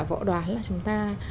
vọ đoán là chúng ta